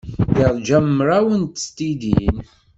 Yeṛja mraw n tesdidin.